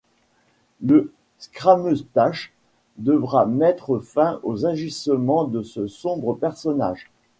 Le Scrameustache devra mettre fin aux agissements de ce sombre personnage.